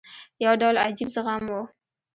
یو ډول عجیب زغم وو.